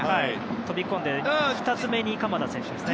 飛び込んで２つ目に鎌田選手ですね。